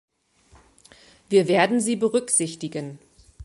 Wir werden sie berücksichtigen.